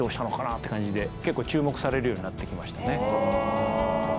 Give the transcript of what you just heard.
って感じで結構注目されるようになってきましたね。